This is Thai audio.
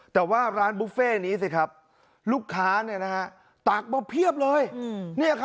แต่ว่าร้านบุฟเฟ่นี้สิครับลูกค้าตักมาเพียบเลย